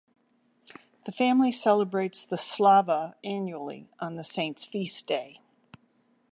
The family celebrates the Slava annually on the saint's feast day.